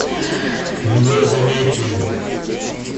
Ее занятия.